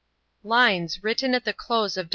LINES WRITTEN AT THE CLOSE OF DR.